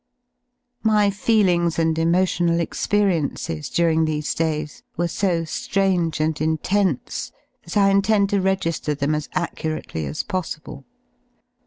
My feelings and emotional experiences during these days were so Grange and intense that I intend to regi^er them .as accurately as possible.